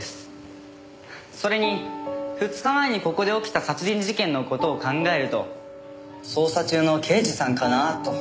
それに２日前にここで起きた殺人事件の事を考えると捜査中の刑事さんかな？と。